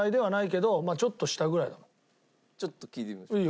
ちょっと聴いてみましょうか？